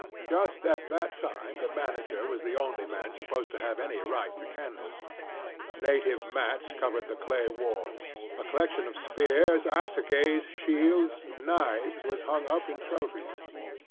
Just at that time the manager was the only man supposed to have any right to candles. Native mats covered the clay walls; a collection of spears, assegais, shields, knives was hung up in trophies.